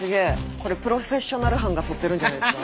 これ「プロフェッショナル」班が撮ってるんじゃないですか？